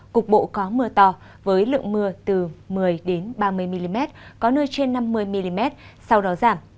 cục bộ có mưa to với lượng mưa từ một mươi ba mươi mm có nơi trên năm mươi mm sau đó giảm